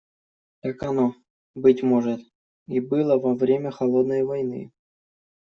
Так оно, быть может, и было во время "холодной войны".